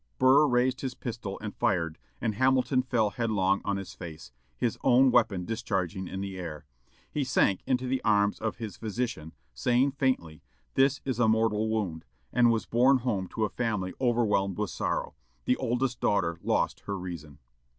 Burr raised his pistol and fired, and Hamilton fell headlong on his face, his own weapon discharging in the air. He sank into the arms of his physician, saying faintly, "This is a mortal wound," and was borne home to a family overwhelmed with sorrow. The oldest daughter lost her reason.